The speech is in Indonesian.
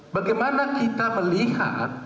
bagaimana kita melihat